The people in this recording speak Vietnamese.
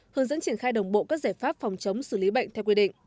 hướng dẫn triển khai đồng bộ các giải pháp phòng chống xử lý bệnh theo quy định